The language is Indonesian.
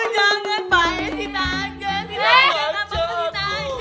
jangan pak e sita aja